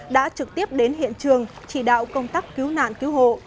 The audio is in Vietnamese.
đã trực tiếp đến hiện trường chỉ đạo công tác cứu nạn cứu hộ